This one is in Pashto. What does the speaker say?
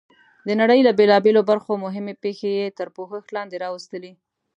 د نړۍ له بېلابېلو برخو مهمې پېښې یې تر پوښښ لاندې راوستلې.